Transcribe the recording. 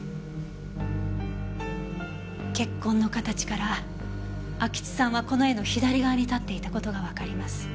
血痕の形から安芸津さんはこの絵の左側に立っていた事がわかります。